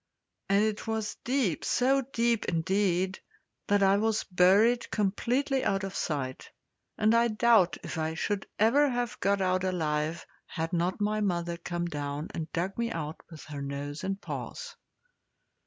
And it was deep so deep, indeed, that I was buried completely out of sight; and I doubt if I should ever have got out alive had not my mother come down and dug me out with her nose and paws.